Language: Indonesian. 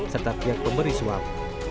serta pihak pemberi swab